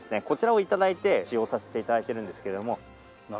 こちらを頂いて使用させて頂いてるんですけれども。